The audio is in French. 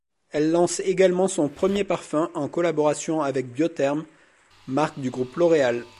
Elle lance également son premier parfum en collaboration avec Biotherm, marque du groupe L'Oréal.